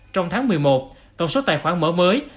trong tháng một mươi một tổng số tài khoản mở mới